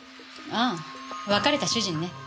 ああ別れた主人ね。